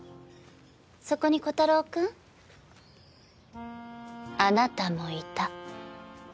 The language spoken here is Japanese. そこに炬太郎くんあなたもいた。